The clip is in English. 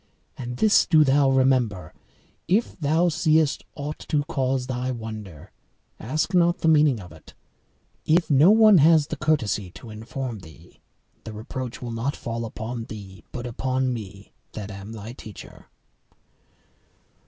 And this do thou remember, if thou seest aught to cause thy wonder, ask not the meaning of it; if no one has the courtesy to inform thee, the reproach will not fall upon thee, but upon me that am thy teacher."